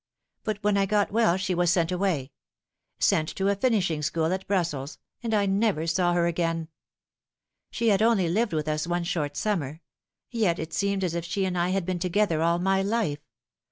But when I got well she was sent away sent to a finishing sohool at Brussels, and I never saw her again. She had only lived with us one short summer. Yet it seemed as if she and I had been together all my life.